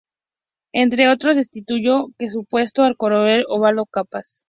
Entre otros, destituyó de su puesto al coronel Osvaldo Capaz.